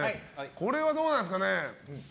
これはどうなんでしょうかね。